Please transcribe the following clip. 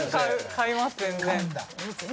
買います全然。